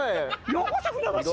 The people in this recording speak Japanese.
ようこそ船橋へ。